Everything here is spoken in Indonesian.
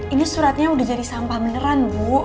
ini suratnya udah jadi sampah beneran bu